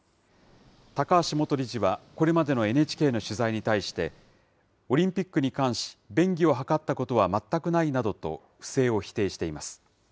高橋元理事は、これまでのＮＨＫの取材に対して、オリンピックに関し、便宜を図ったことは全くないなどと、不正を否定しています。